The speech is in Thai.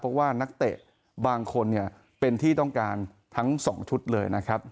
เพราะว่านักเตะบางคนเนี่ยเป็นที่ต้องการทั้ง๒ชุดเลยนะครับ